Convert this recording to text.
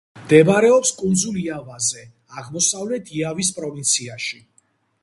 მდებარეობს კუნძულ იავაზე, აღმოსავლეთ იავის პროვინციაში.